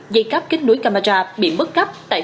dây cáp kết nối camera bị bất cắp